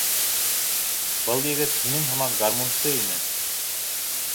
— Был егет һинең һымаҡ гармунсы ине.